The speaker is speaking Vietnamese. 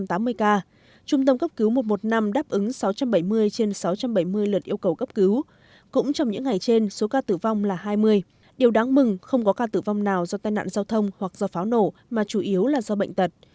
trung tâm cấp cứu một trăm một mươi năm đáp ứng sáu trăm bảy mươi trên sáu trăm bảy mươi lượt yêu cầu cấp cứu cũng trong những ngày trên số ca tử vong là hai mươi điều đáng mừng không có ca tử vong nào do tai nạn giao thông hoặc do pháo nổ mà chủ yếu là do bệnh tật